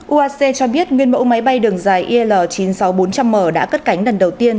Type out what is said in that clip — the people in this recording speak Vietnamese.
uac cho biết nguyên mẫu máy bay đường dài il chín mươi sáu nghìn bốn trăm linh m đã cất cánh lần đầu tiên